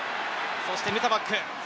そしてヌタマック。